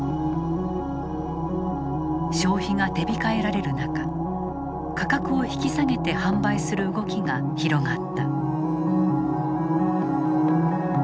消費が手控えられる中価格を引き下げて販売する動きが広がった。